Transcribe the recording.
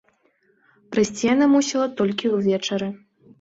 Прыйсці яна мусіла толькі ўвечары.